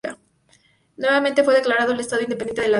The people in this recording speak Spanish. Nuevamente fue declarado el Estado Independiente de Acre.